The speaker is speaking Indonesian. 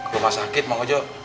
rumah sakit mang ujo